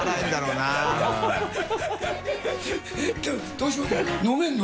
どうします？